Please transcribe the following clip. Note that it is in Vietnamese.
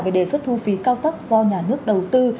về đề xuất thu phí cao tấp do nhà nước đầu tư